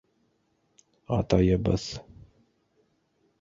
Атайыбыҙ...